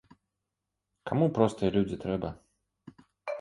Каму простыя людзі трэба?